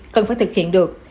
cần phải thực hiện được